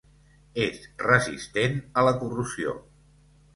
És resistent a la corrosió.